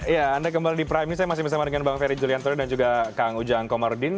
ya anda kembali di prime news saya masih bersama dengan bang ferry julianto dan juga kang ujang komarudin